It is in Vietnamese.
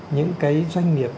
những cái doanh nghiệp